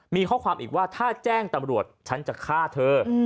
มีข้อความอีกว่าถ้าแจ้งตำรวจฉันจะฆ่าเธอ